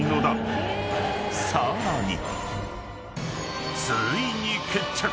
［さらに］